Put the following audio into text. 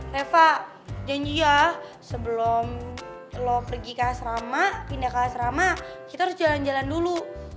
leva janji ya sebelum lo pergi ke asrama pindah ke asrama kita harus jalan jalan dulu